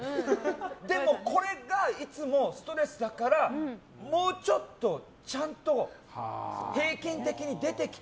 でも、これがいつもストレスだからもうちょっとちゃんと平均的に出てきて。